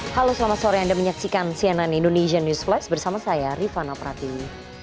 halo selamat sore anda menyaksikan cnn indonesian news flash bersama saya rifana pratiwi